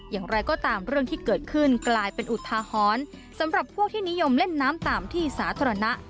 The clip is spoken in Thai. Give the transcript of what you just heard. อย่างไรก็ตามเรื่องที่เกิดขึ้นกลายเป็นอุทาหรณ์สำหรับพวกที่นิยมเล่นน้ำตามที่สาธารณะ